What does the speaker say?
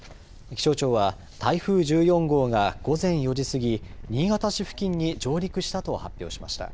気象庁は台風１４号が午前４時過ぎ、新潟市付近に上陸したと発表しました。